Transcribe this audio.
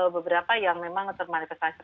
beberapa yang memang termanifestasi